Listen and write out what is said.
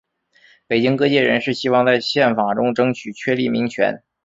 北京各界人士希望在宪法中争取确立民权。